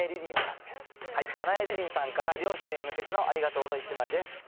かなえりりんさんから両親に向けてのありがとうの１枚です。